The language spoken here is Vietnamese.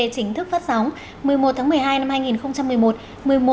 chính thức phát sóng một mươi một tháng một mươi hai năm hai nghìn một mươi một